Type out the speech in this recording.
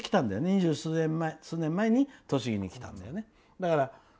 二十数年前に栃木に来たんだよね。